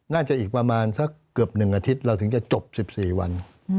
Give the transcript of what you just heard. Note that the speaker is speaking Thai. อีกประมาณสักเกือบ๑อาทิตย์เราถึงจะจบ๑๔วัน